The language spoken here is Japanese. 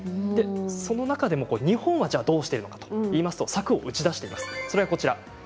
その中でも日本はどうしているのかと言いますと策を打ち出しています。